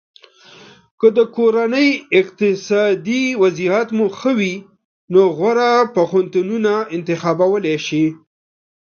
که د کورنۍ اقتصادي وضعیت مو ښه وي نو غوره پوهنتونونه انتخابولی شی.